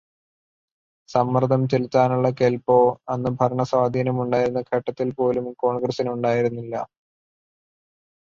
സമ്മര്ദ്ദം ചെലുത്താനുള്ള കെല്പ്പോ അന്നു ഭരണസ്വാധീനമുണ്ടായിരുന്ന ഘട്ടത്തില് പോലും കോണ്ഗ്രസിനുണ്ടായിരുന്നില്ല.